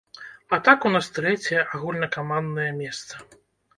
А так у нас трэцяе агульнакаманднае месца.